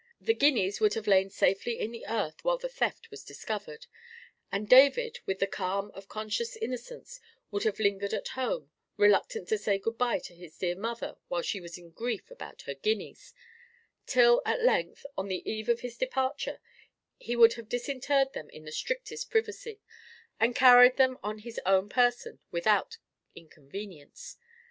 The guineas would have lain safely in the earth while the theft was discovered, and David, with the calm of conscious innocence, would have lingered at home, reluctant to say good bye to his dear mother while she was in grief about her guineas; till at length, on the eve of his departure, he would have disinterred them in the strictest privacy, and carried them on his own person without inconvenience.